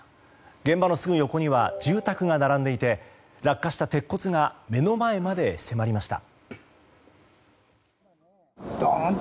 現場のすぐ横には住宅が並んでいて落下した鉄骨が目の前まで迫りました。